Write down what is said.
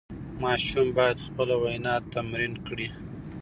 ماشوم باید خپله وینا تمرین کړي.